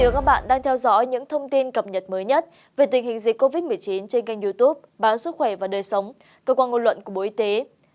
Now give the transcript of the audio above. các bạn đang theo dõi những thông tin cập nhật mới nhất về tình hình dịch covid một mươi chín trên kênh youtube báo sức khỏe và đời sống cơ quan ngôn luận của bộ y tế